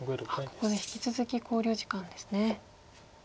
ここで引き続き考慮時間ですね。